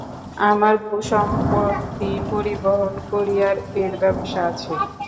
আমার ভূ-সম্পত্তি, পরিবহন, কুরিয়ার এর ব্যবসা আছে।